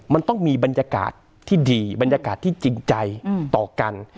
มันต้องมีบรรยากาศที่ดีบรรยากาศที่จริงใจต่อกัน